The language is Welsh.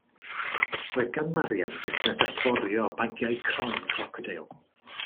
Roedd gan Marian fusnes allforio bagiau croen crocodeil.